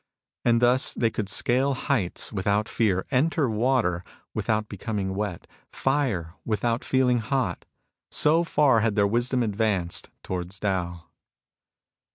And thus they could scale heights without fear ; enter water without becoming wet ; fire, without feeling hot. So far had their wisdom advanced towards Tao.